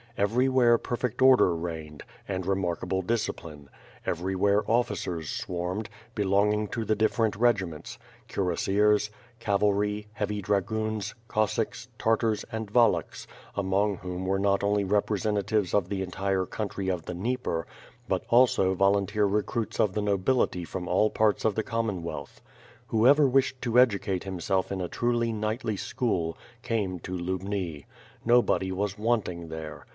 Everywhere perfect order reigned, and le raarkable discipline; ev^y where officers swarmed, belonging to the different regiments: Cuirassiers, cavalry, heavy dra goons, Cossacks, Tartars, and Wallachs, among whom were not only representatives of the entire country of the Dnieper, but also volunteer recruits of the nobility from all parts of the Commonwealth. Whoever wished to educate himself in a truly knightly school, came to Lubni. Nobody was want ing there.